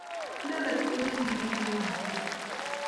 Inendet ko nikiribei kalyet